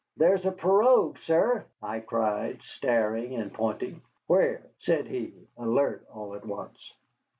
"There's a pirogue, sir," I cried, staring and pointing. "Where?" said he, alert all at once.